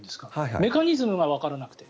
メカニズムがわからなくて。